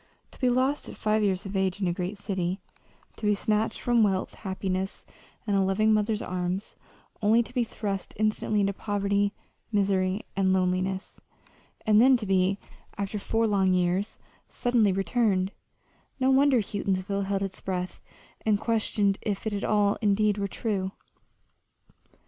To be lost at five years of age in a great city, to be snatched from wealth, happiness, and a loving mother's arms, only to be thrust instantly into poverty, misery, and loneliness; and then to be, after four long years, suddenly returned no wonder Houghtonsville held its breath and questioned if it all indeed were true.